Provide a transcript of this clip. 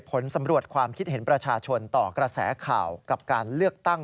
ผลสำรวจความคิดเห็นประชาชนต่อกระแสข่าวกับการเลือกตั้ง